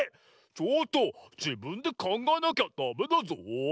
「ちょっとじぶんでかんがえなきゃダメだゾウ」。